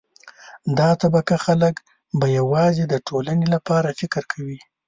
دا طبقه خلک به یوازې د ټولنې لپاره فکر کوي.